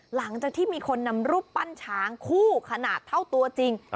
หลังจากที่มีคนนำรูปปั้นช้างคู่ขนาดเท่าตัวจริง